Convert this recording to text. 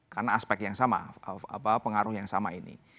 karena aspek yang sama pengaruh yang sama ini